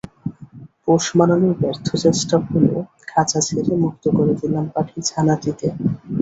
পোষ মানানোর ব্যর্থ চেষ্টা ভুলে খাঁচা ছেড়ে মুক্ত করে দিলাম পাখির ছানাটিকে।